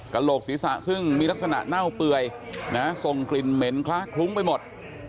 โหลกศีรษะซึ่งมีลักษณะเน่าเปื่อยส่งกลิ่นเหม็นคล้าคลุ้งไปหมด